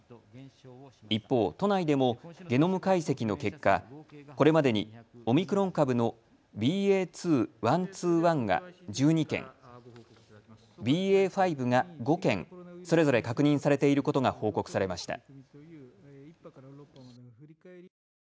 一方、都内でもゲノム解析の結果、これまでにオミクロン株のＢＡ．２．１２．１が１２件、ＢＡ．５が５件それぞれ確認されていることが報告されました。